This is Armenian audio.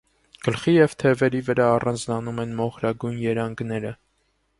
Գլխի և թևերի վրա առանձնանում են մոխրագույն երանգները։